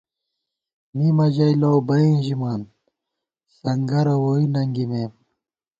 مِمہ ژَئی لَؤبئیں ژِمان، سنگَرہ ووئی ننگِمېم